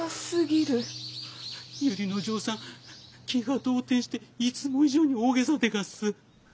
由利之丞さん気が動転していつも以上に大げさでがす。